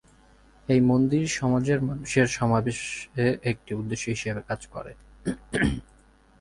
এই মন্দির সমাজের মানুষের সমাবেশে একটি উদ্দেশ্য হিসাবে কাজ করে।